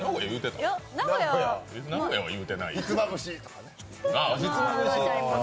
ひつまぶしとか。